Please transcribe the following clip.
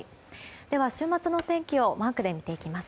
では、週末の天気をマークで見ていきます。